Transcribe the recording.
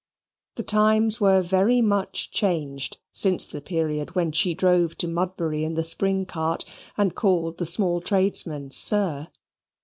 The times were very much changed since the period when she drove to Mudbury in the spring cart and called the small tradesmen "Sir."